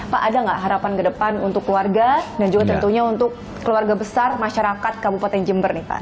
pak ada nggak harapan ke depan untuk keluarga dan juga tentunya untuk keluarga besar masyarakat kabupaten jember nih pak